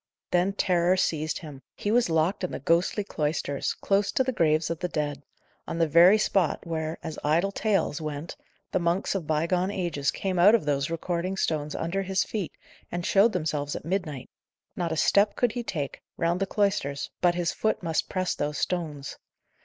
Then terror seized him. He was locked in the ghostly cloisters, close to the graves of the dead; on the very spot where, as idle tales, went, the monks of bygone ages came out of those recording stones under his feet, and showed themselves at midnight. Not a step could he take, round the cloisters, but his foot must press those stones.